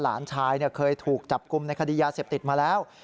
หลานชายเคยถูกจับกลุ่มในคดียาเสพติดมาแล้ว